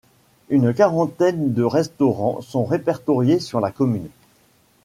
Une quarantaine de restaurants sont répertoriés sur la commune.